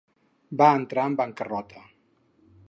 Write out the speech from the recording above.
Va entrar en bancarrota.